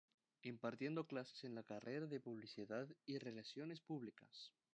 Impartiendo clases en la carrera de Publicidad y Relaciones Públicas.